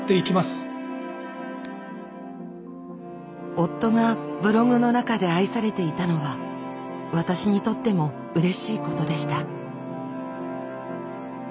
夫がブログの中で愛されていたのは私にとってもうれしいことでした。